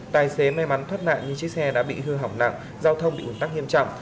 tài xế may mắn thoát nạn nhưng chiếc xe đã bị hư hỏng nặng giao thông bị ủn tắc nghiêm trọng